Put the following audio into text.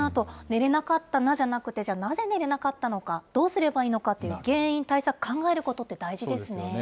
寝れなかったなじゃなくて、じゃあ、なぜ寝れなかったのか、どうすればいいのかっていう、原因と対策を考えることって大事ですね。